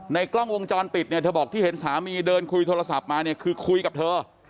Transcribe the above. กล้องวงจรปิดเนี่ยเธอบอกที่เห็นสามีเดินคุยโทรศัพท์มาเนี่ยคือคุยกับเธอ